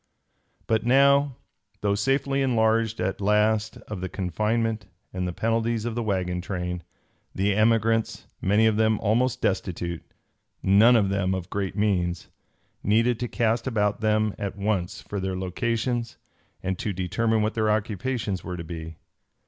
But now, though safely enlarged at last of the confinement and the penalties of the wagon train, the emigrants, many of them almost destitute, none of them of great means, needed to cast about them at once for their locations and to determine what their occupations were to be.